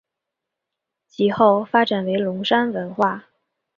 其后发展为龙山文化。